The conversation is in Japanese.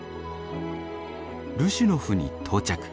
ルシュノフに到着。